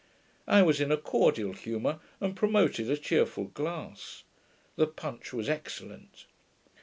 I was in a cordial humour, and promoted a cheerful glass. The punch was excellent.